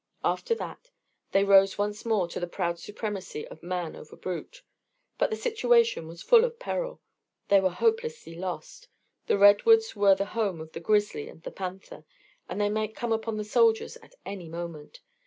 After that they rose once more to the proud supremacy of man over brute. But the situation was full of peril. They were hopelessly lost, the redwoods were the home of the grizzly and the panther, and they might come upon the soldiers at any moment.